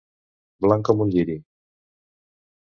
Blanc com un lliri.